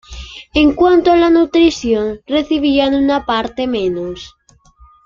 En cuanto a la nutrición, recibían una parte menor.